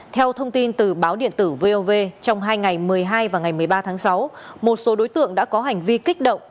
theo thông tin từ báo điện tử vov trong hai ngày một mươi hai và ngày một mươi ba tháng sáu một số đối tượng đã có hành vi kích động